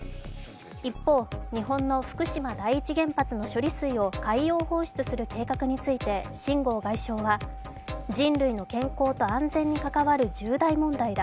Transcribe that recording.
一方、日本の福島第一原発の処理水を海洋放出する計画について秦剛外相は人類の健康と安全に関わる重大問題だ。